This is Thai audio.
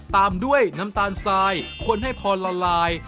ตามด้วยน้ำตาลทรายคนให้พอละลาย